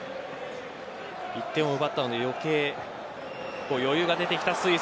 １点を奪ったので余計余裕が出てきたスイス。